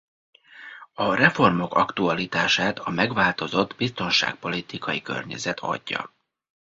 A reformok aktualitását a megváltozott biztonságpolitikai környezet adja.